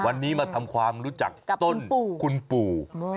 วันนี้มาทำความรู้จักต้นคุณปู่